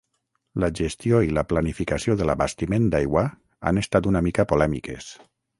La gestió i la planificació de l'abastiment d'aigua han estat una mica polèmiques.